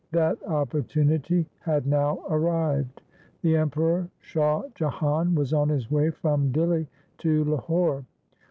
That opportunity had now arrived. The Emperor Shah Jahan was on his way from Dihli to Lahore.